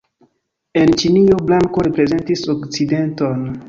En Ĉinio blanko reprezentis okcidenton.